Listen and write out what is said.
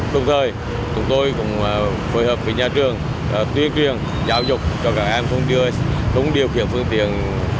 tương tư chúng tôi cũng phối hợp với nhà trường tuyên truyền giáo dục cho các em không điều khiển phương tiện